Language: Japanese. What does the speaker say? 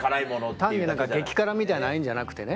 単に激辛みたいなああいうんじゃなくてね。